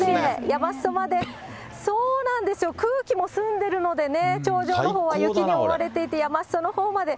山すそまで、そうなんですよ、空気も澄んでるのでね、頂上のほうは雪に覆われていて、山すそのほうまで。